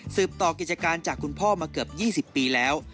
ต่อกิจการจากคุณพ่อมาเกือบ๒๐ปีแล้ว